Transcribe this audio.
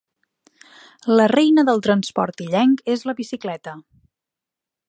La reina del transport illenc és la bicicleta.